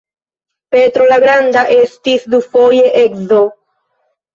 Petro la Granda estis dufoje edzo.